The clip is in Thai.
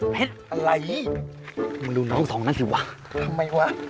อะไรมึงดูน้องสองนั่นสิวะทำไมวะ